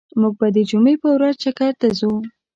موږ به د جمعی په ورځ چکر ته ځو